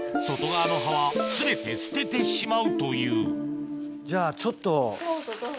外側の葉は全て捨ててしまうというじゃあちょっと。